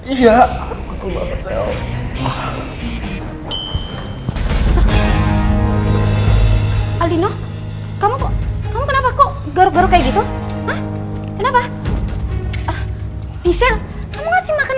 iya betul banget sel